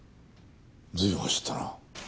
随分走ったな。